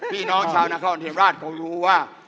พี่น้องชาวนครเทียมราชเขารู้ว่า